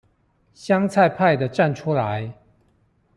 香菜派的站出來